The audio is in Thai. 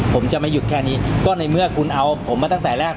ผมจะไม่หยุดแค่นี้ก็ในเมื่อคุณเอาผมมาตั้งแต่แรก